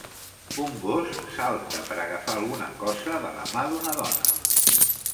Un gos salta per agafar alguna cosa de la mà d'una dona.